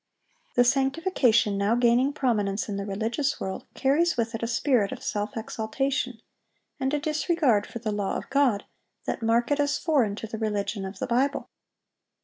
The sanctification now gaining prominence in the religious world, carries with it a spirit of self exaltation, and a disregard for the law of God, that mark it as foreign to the religion of the Bible.